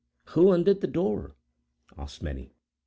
"Who undid the door?" asked many.